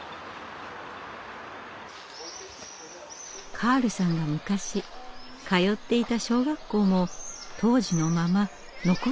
カールさんが昔通っていた小学校も当時のまま残っていました。